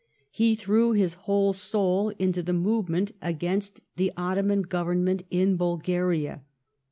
He threw his whole soul into the movement against the Ottoman Government in Bulgaria.